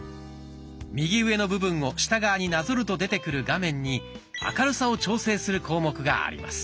右上の部分を下側になぞると出てくる画面に明るさを調整する項目があります。